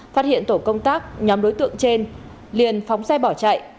phát hiện tổ công tác nhóm đối tượng trên liền phóng xe bỏ chạy